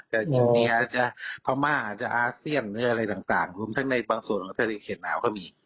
จริงอาเซียนอะไรต่างทั้งในบางส่วนทะเลเข็ดหนาวก็มี